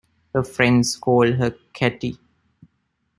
Her friends called her Kattie.